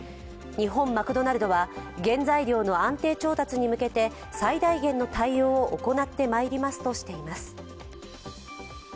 日本マクドナルドは原材料の安定調達に向けて最大限の対応を行ってまいりますとしています。